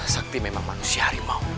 sakti memang manusia